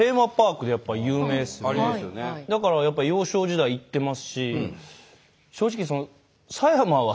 だからやっぱ幼少時代行ってますし。